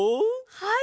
はい！